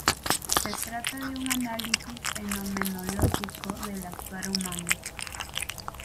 Se trata de un análisis fenomenológico del actuar humano.